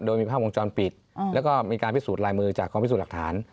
โดยมีภาพวงจรปิดแล้วก็มีการพิสูจนลายมือจากกองพิสูจน์หลักฐาน